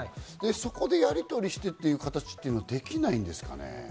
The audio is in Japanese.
そこでやりとりしてという形はできないんですかね。